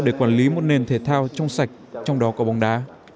để quản lý một nền thể thao trong sạch trong đó có bóng đá